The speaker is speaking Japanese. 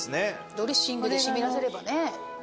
ドレッシングで湿らせればね。